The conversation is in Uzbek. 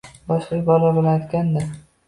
Boshqa ibora bilan aytganda.